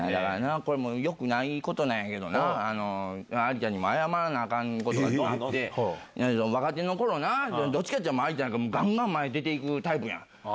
これもよくないことなんやけどな、ありちゃんにも謝らないかんことがあって、若手のころな、どっちかいうとありちゃん、ばんばん前出ていくタイプやん。